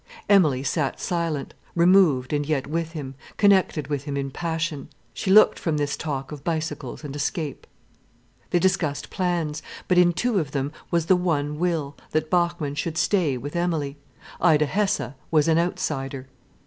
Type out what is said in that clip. Emilie sat silent, removed and yet with him, connected with him in passion. She looked from this talk of bicycles and escape. They discussed plans. But in two of them was the one will, that Bachmann should stay with Emilie. Ida Hesse was an outsider.